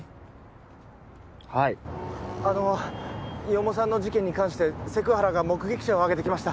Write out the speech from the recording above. はいあの四方さんの事件に関してセク原が目撃者をあげてきました